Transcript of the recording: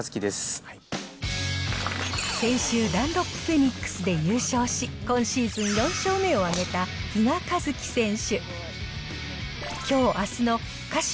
先週、ダンロップフェニックスで優勝し、今シーズン４勝目を挙げた、比嘉一貴選手。